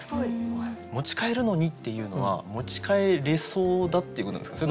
「持ち帰るのに」っていうのは持ち帰れそうだっていうことですか？